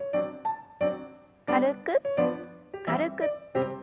軽く軽く。